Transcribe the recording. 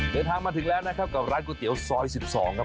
เดินทางมาถึงแล้วนะครับกับร้านก๋วยเตี๋ยวซอย๑๒ครับ